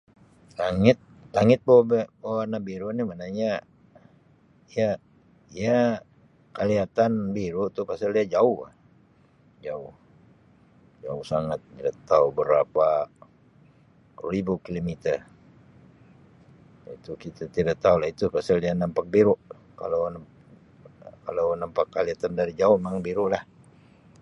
Langit-langit bu-be-berwarna biru ni maknanya ia-ia kelihatan biru tu pasal dia jauh-jauh-jauh sangat, inda tau berapa ribu kilometer , itu kita tidak taulah itu pasal dia nampak biru kalau [unintelligible] kalau nampak kelihatan dari jauh memang birulah.